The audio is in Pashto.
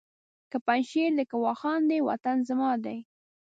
که پنجشېر دی که واخان دی وطن زما دی!